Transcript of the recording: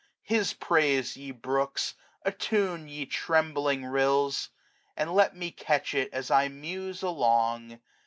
His praise, ye brooks, attune, ye trembling rills; And let me catch it as I muse along.